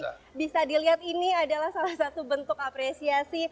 bisa dilihat ini adalah salah satu bentuk apresiasi